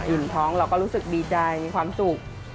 ท้องเราก็รู้สึกดีใจมีความสุข